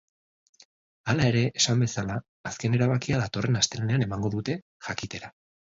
Hala ere, esan bezala, azken erabakia datorren astelehenean emango dute jakitera.